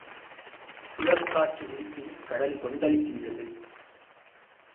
சுழற் காற்று வீசிக் கடல் கொந்தளிக்கின்றது.